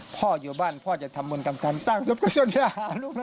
พ่ออยู่บ้านพ่อจะทำบุญกรรมการสร้างสุขส่วนอย่างนี้